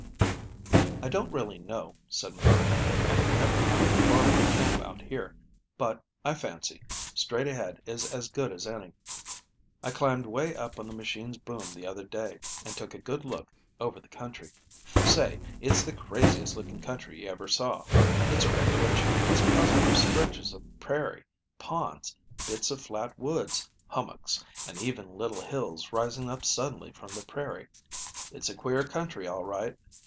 "I don't really know," said McCarty. "I have never hunted far from camp out here, but, I fancy, straight ahead is as good as any. I climbed way up on the machine's boom the other day and took a good look over the country. Say, it's the craziest looking country you ever saw. It's a regular Chinese puzzle of stretches of prairie, ponds, bits of flat woods, hummocks, and even little hills rising up suddenly from the prairie. It's a queer country, all right.